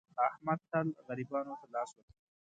احمد تل غریبانو ته لاس ور کوي.